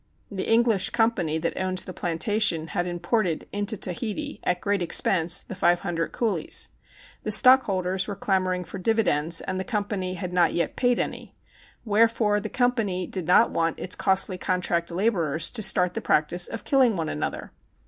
The English Company that owned the planta tion had imported into Tahiti, at great expense, the five hundred coolies. The stockholders were clamoring for dividends, and the Company had not yet paid any; wherefore the Company did not want its costly contract laborers to start the practice of killing one another.